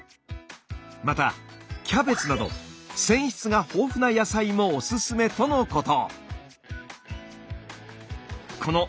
またキャベツなど繊維質が豊富な野菜もおすすめとのこと。